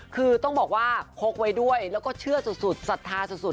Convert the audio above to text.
คือต้องบอกว่าพกไว้ด้วยแล้วก็เชื่อสุดศรัทธาสุด